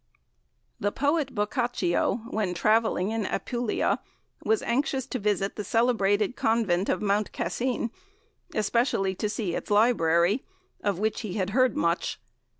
"The Poet Boccaccio, when travelling in Apulia, was anxious to visit the celebrated Convent of Mount Cassin, especially to see its library, of which he had heard much.